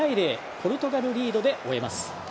ポルトガルリードで終えます。